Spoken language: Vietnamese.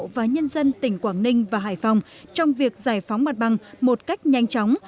và nhân dân tỉnh quảng ninh và hải phòng trong việc giải phóng mặt bằng một cách nhanh chóng